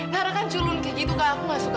nara kan culun kayak gitu kak